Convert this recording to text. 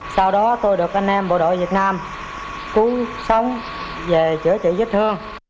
sau đó tôi được anh em bộ đội việt nam cuốn sống về chữa trị vết thương